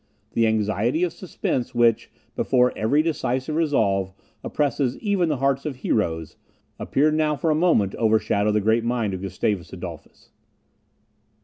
The anxiety of suspense which, before every decisive resolve, oppresses even the hearts of heroes, appeared now for a moment to overshadow the great mind of Gustavus Adolphus.